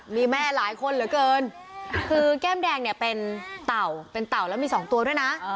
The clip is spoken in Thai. มีแม่หลายคนเหลือเกินคือแก้มแดงเนี่ยเป็นเต่าเป็นเต่าแล้วมีสองตัวด้วยนะ